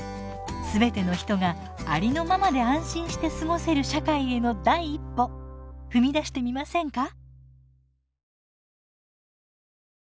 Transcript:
全ての人がありのままで安心して過ごせる社会への第一歩踏み出してみませんか？